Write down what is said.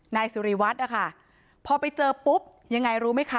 นายสุริวัฒน์นะคะพอไปเจอปุ๊บยังไงรู้ไหมคะ